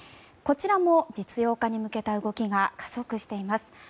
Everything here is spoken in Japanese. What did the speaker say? こちらも実用化に向けた動きが加速しています。